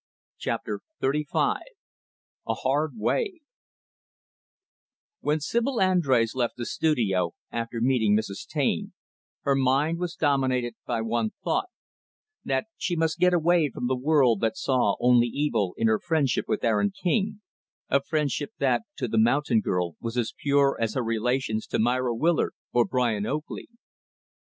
Chapter XXXV A Hard Way When Sibyl Andrés left the studio, after meeting Mrs. Taine, her mind was dominated by one thought that she must get away from the world that saw only evil in her friendship with Aaron King a friendship that, to the mountain girl, was as pure as her relations to Myra Willard or Brian Oakley.